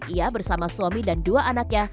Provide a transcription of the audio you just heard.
ia bersama suami dan dua anaknya